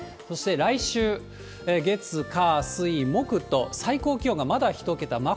そして来週月、火、水、木と、最高気温がまだ１桁。